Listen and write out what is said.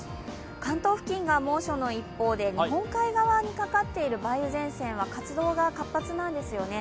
関東付近が猛暑の一方で日本海側にかかっている梅雨前線は活動が活発なんですよね。